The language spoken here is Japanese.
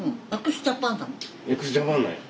ＸＪＡＰＡＮなんや。